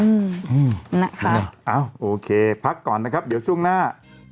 อืมนะคะเอ้าโอเคพักก่อนนะครับเดี๋ยวช่วงหน้า